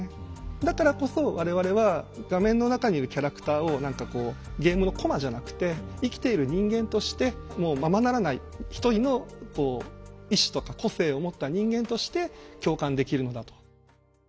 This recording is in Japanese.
だからこそ我々は画面の中にいるキャラクターを何かこうゲームのコマじゃなくて生きている人間としてもうままならない一人のこう意思とか個性を持った人間として共感できるのだと。